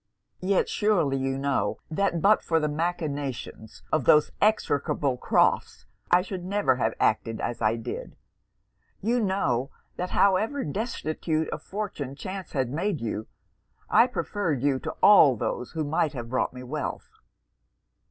Yet surely you know that but for the machinations of those execrable Crofts', I should never have acted as I did you know, that however destitute of fortune chance had made you, I preferred you to all those who might have brought me wealth!'